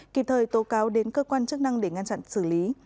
kịp thời tố cáo đến cơ quan chức năng để ngăn chặn xử lý